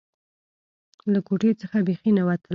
له کوټې څخه بيخي نه وتله.